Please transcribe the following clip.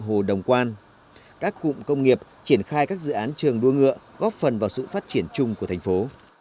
hồ đồng quan các cụm công nghiệp triển khai các dự án trường đua ngựa góp phần vào sự phát triển chung của thành phố